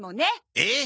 えっ？